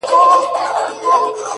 o ما د دريم ژوند وه اروا ته سجده وکړه ـ